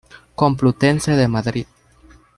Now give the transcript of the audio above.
Complutense de Madrid.